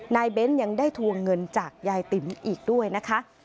นายเบนส์ยังได้ทวงเงินจากเยติมอีกด้วยนะคะ